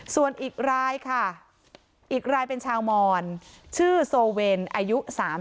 ส่วนอีกรายค่ะเป็นชาวมอนชื่อโซเวรอายุ๓๓